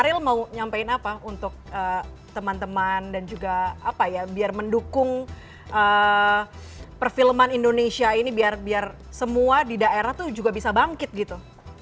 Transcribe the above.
ariel mau nyampein apa untuk teman teman dan juga apa ya biar mendukung perfilman indonesia ini biar semua di daerah tuh juga bisa bangkit gitu